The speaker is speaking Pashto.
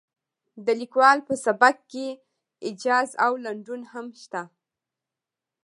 د لیکوال په سبک کې ایجاز او لنډون هم شته.